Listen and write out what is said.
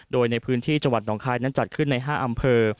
โดยในพื้นที่จังหวัดหนองคายนั้นจัดขึ้นใน๕อำเภอ